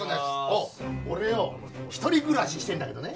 俺よ一人暮らししてるんだけどね